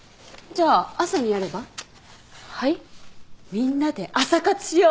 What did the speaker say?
みんなで朝活しよう！